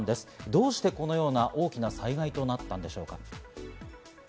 どうしてこのような大きな災害となったんでしょうか？